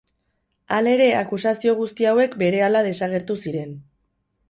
Halere akusazio guzti hauek berehala desagertu ziren.